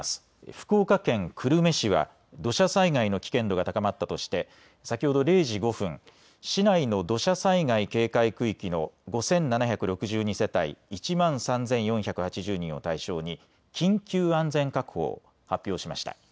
福岡県久留米市は土砂災害の危険度が高まったとして先ほど０時５分、市内の土砂災害警戒区域の５７６２世帯１万３４８０人を対象に緊急安全確保を発表しました。